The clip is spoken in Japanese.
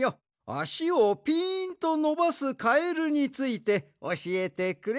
あしをぴーんとのばすカエルについておしえてくれ。